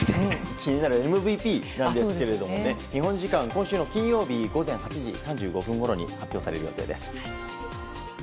気になるＭＶＰですが日本時間、今週の金曜日午前８時３５分ごろに発表される予定です。